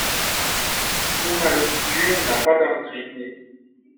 Thomas l'obscur n'a pas d'intrigue.